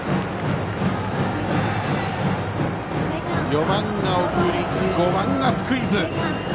４番が送り、５番がスクイズ。